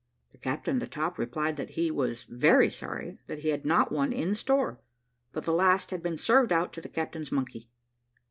The captain of the top replied that he was very sorry that he had not one in store, but the last had been served out to the captain's monkey.